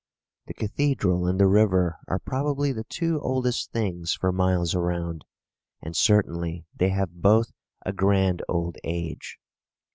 The cathedral and the river are probably the two oldest things for miles around; and certainly they have both a grand old age.